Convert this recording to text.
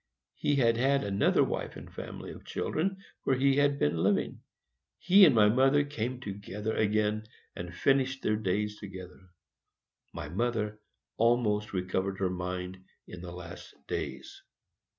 He had had another wife and family of children where he had been living. He and my mother came together again, and finished their days together. My mother almost recovered her mind in her last days.